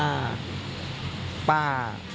ให้ป้า